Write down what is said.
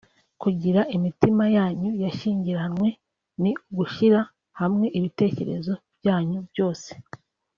Kugira imitima yanyu yashyingiranwe ni ugushyira hamwe ibitekerezo byanyu byose